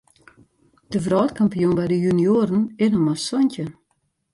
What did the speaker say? De wrâldkampioen by de junioaren is noch mar santjin.